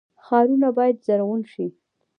ښارونه باید زرغون شي